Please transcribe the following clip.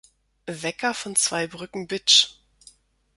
Wecker von Zweibrücken-Bitsch.